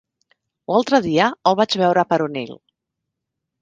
L'altre dia el vaig veure per Onil.